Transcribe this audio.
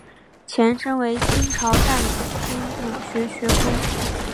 前身为清朝淡水厅儒学学宫。